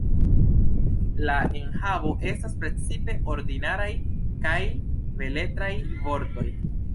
La enhavo estas precipe ordinaraj kaj beletraj vortoj.